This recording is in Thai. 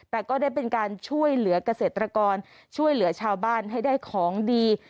แต่ก็ได้เป็นการช่วยเหลือกเกษตรกรช่วยเหลือชาวบ้านให้ได้ของดี